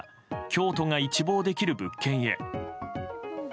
京都が一望できる物件へ。